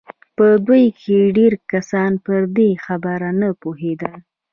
په دوی کې ډېر کسان پر دې خبره نه پوهېدل